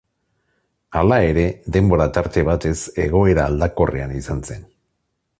Hala ere, denbora tarte batez egoera aldakorrean izan zen.